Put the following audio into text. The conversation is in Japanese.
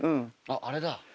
あっあれだ。